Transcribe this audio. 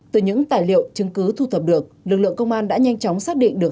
từ những tài liệu chứng cứ thu thập được lực lượng công an đã nhanh chóng xác định được